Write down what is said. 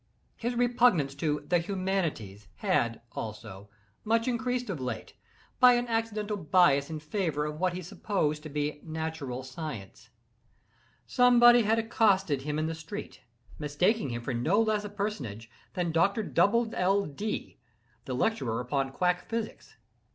His repugnance to "the humanities" had, also, much increased of late, by an accidental bias in favor of what he supposed to be natural science. Somebody had accosted him in the street, mistaking him for no less a personage than Doctor Dubble L. Dee, the lecturer upon quack physics.